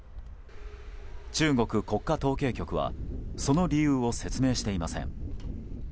中国国家統計局はその理由を説明していません。